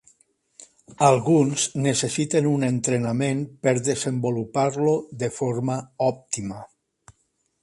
Alguns necessiten un entrenament per desenvolupar-lo de forma òptima.